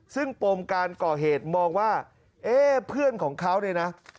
ซึ่งปมการก่อเหตุมองว่าเอ๊ะเพื่อนของเขาเนี่ยนะ